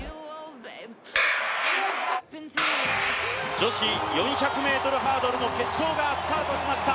女子４００ｍハードルの決勝がスタートしました。